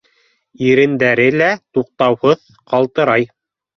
Ирендәре лә туҡтауһыҙ ҡалтырай.